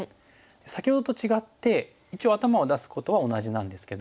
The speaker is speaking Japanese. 先ほどと違って一応頭を出すことは同じなんですけども。